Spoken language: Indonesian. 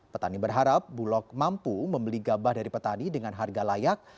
petani berharap bulog mampu membeli gabah dari petani dengan harga layak